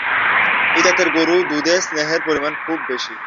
এ জাতের গুরু দুধে স্নেহের পরিমান খুব বেশি।